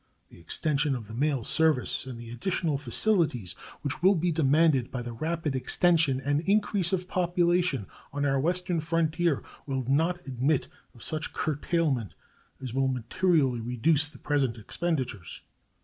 The extension of the mail service and the additional facilities which will be demanded by the rapid extension and increase of population on our western frontier will not admit of such curtailment as will materially reduce the present expenditures.